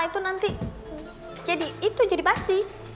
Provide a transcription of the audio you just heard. itu nanti jadi itu jadi pasti